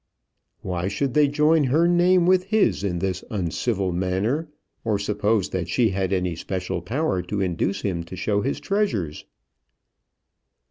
Why should they join her name with his in this uncivil manner, or suppose that she had any special power to induce him to show his treasures.